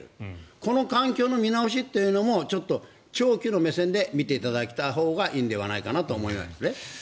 この環境の見直しも長期の目線で見ていただいたほうがいいのではないかと思うんです。